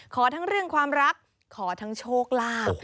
ขอทั้งเรื่องความรักขอทั้งโชคลาภ